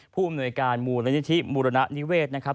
ผู้อำนวยการมูลนิธิบุรณนิเวศนะครับ